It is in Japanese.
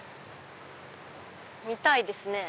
見たいですね。